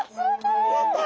やった！